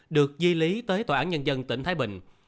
được di lý tới tòa án nhân dân tỉnh thái bình